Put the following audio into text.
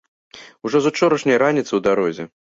Ужо з учарашняй раніцы ў дарозе.